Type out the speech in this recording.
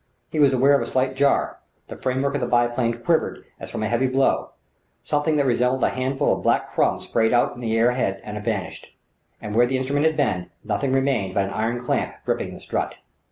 He was aware of a slight jar; the framework of the biplane quivered as from a heavy blow; something that resembled a handful of black crumbs sprayed out into the air ahead and vanished: and where the instrument had been, nothing remained but an iron clamp gripping the strut.